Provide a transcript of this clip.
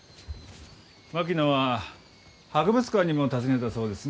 槙野は博物館にも訪ねたそうですね。